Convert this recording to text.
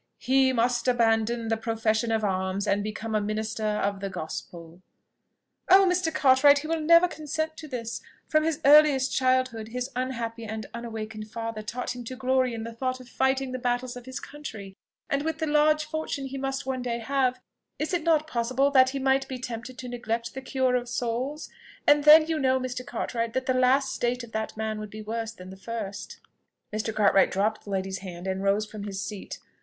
"He must abandon the profession of arms and become a minister of the gospel." "Oh! Mr. Cartwright, he never will consent to this. From his earliest childhood, his unhappy and unawakened father taught him to glory in the thought of fighting the battles of his country; and with the large fortune he must one day have, is it not probable that he might be tempted to neglect the cure of souls? And then, you know, Mr. Cartwright, that the last state of that man would be worse than the first." Mr. Cartwright dropped the lady's hand and rose from his seat.